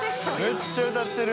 めっちゃ歌ってる。））